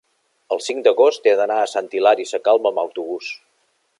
el cinc d'agost he d'anar a Sant Hilari Sacalm amb autobús.